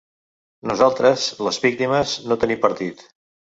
Nosaltres, les víctimes, no tenim partit.